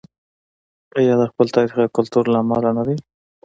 آیا د خپل تاریخ او کلتور له امله نه دی؟